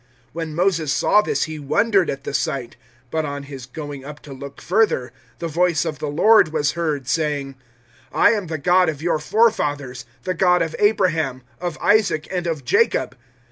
007:031 When Moses saw this he wondered at the sight; but on his going up to look further, the voice of the Lord was heard, saying, 007:032 "`I am the God of your forefathers, the God of Abraham, of Isaac, and of Jacob.'